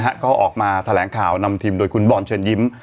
ก็ออกมาแถลงข่าวนำทีมโดยคุณบอลเชิญยิ้ม